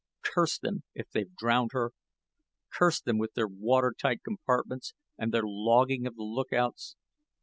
Curse them if they've drowned her. Curse them, with their water tight compartments, and their logging of the lookouts.